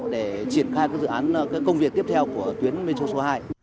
để triển khai các dự án công việc tiếp theo của tuyến metro số hai